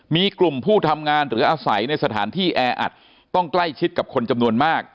มีกลุ่มผู้ทำงานหรืออาศัยในสถานที่แออัดต้องใกล้ชิดกับคนจำนวนมาก